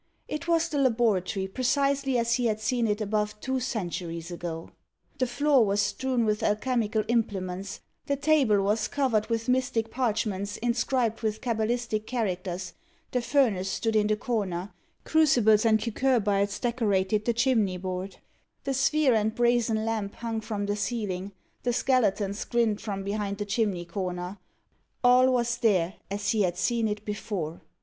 It was the laboratory precisely as he had seen it above two centuries ago. The floor was strewn with alchemical implements the table was covered with mystic parchments inscribed with cabalistic characters the furnace stood in the corner crucibles and cucurbites decorated the chimney board the sphere and brazen lamp hung from the ceiling the skeletons grinned from behind the chimney corner all was there as he had seen it before!